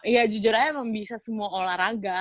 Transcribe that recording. ya jujur aja emang bisa semua olahraga